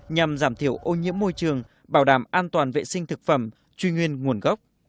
nhằm giảm thiểu ô nhiễm môi trường bảo đảm an toàn vệ sinh thực phẩm truy nguyên nguồn gốc